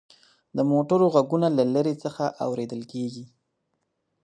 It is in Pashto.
د موټرو غږونه له لرې څخه اورېدل کېدل.